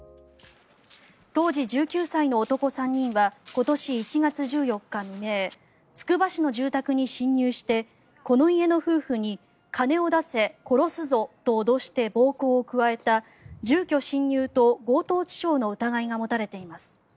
当時１９歳の男３人は今年１月１４日未明つくば市の住宅に侵入してこの家の夫婦に金を出せ、殺すぞと脅して暴行を加えた住宅侵入と強盗致傷の疑いが持たれています。